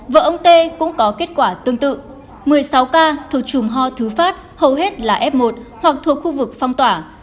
vợ ông tê cũng có kết quả tương tự một mươi sáu ca thuộc chùm ho thứ phát hầu hết là f một hoặc thuộc khu vực phong tỏa